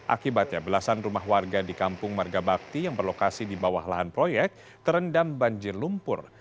akibatnya belasan rumah warga di kampung margabakti yang berlokasi di bawah lahan proyek terendam banjir lumpur